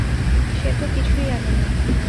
সে তো কিছুই আনে নি।